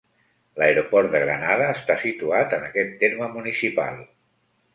L'Aeroport de Granada està situat en aquest terme municipal.